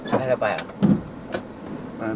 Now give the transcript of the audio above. ไปไปไป